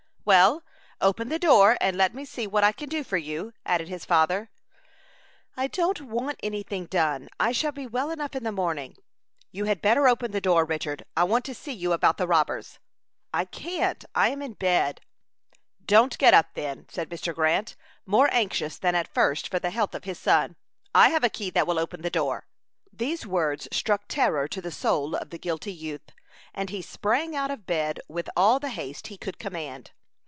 "Well, open the door, and let me see what I can do for you," added his father. "I don't want any thing done. I shall be well enough in the morning." "You had better open the door, Richard; I want to see you about the robbers." "I can't; I am in bed." "Don't get up then," said Mr. Grant, more anxious than at first for the health of his son. "I have a key that will open the door." These words struck terror to the soul of the guilty youth, and he sprang out of bed with all the haste he could command.